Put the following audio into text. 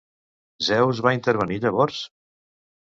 Zeus va intervenir, llavors?